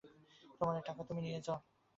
তোমার এ টাকা তুমি নিয়ে যাও, আমি চাই না।